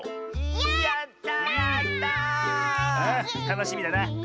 たのしみだな。